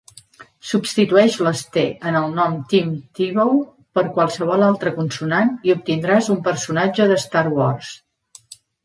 Substitueix les "t" en el nom Tim Tebow per qualsevol altra consonant i obtindràs un personatge d'Star Wars.